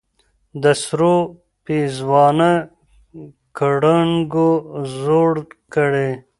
د سرو پېزوانه ګړنګو زوړ کړې